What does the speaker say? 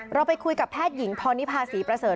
เราไปคุยกับแพทย์หญิงพรนิพาศรีประเสริฐ